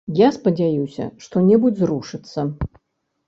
Я спадзяюся, што-небудзь зрушыцца.